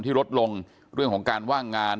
ลดลงเรื่องของการว่างงาน